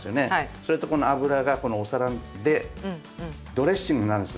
それとこの油がお皿でドレッシングになるんです。